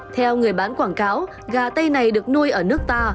theo người bán quảng cáo gà tây này được nuôi ở nước ta